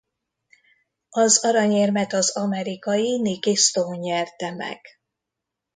Az aranyérmet az amerikai Nikki Stone nyerte meg.